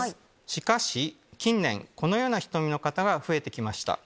しかし近年このような瞳の方が増えてきました。